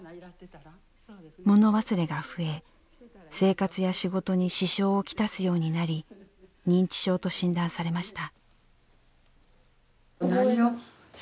物忘れが増え、生活や仕事に支障をきたすようになり認知症と診断されました。